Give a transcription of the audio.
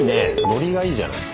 ノリがいいじゃない。